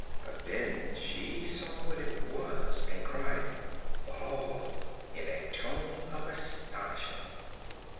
But then she saw what it was and cried "Oh!" in a tone of astonishment.